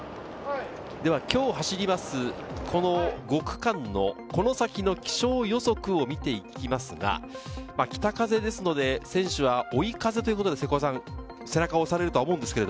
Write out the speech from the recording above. では今日走ります、この５区間のこの先の気象予測を見ていきますが、北風ですので選手は追い風ということで背中を押されると思うんですけど。